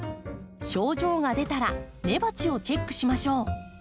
症状が出たら根鉢をチェックしましょう。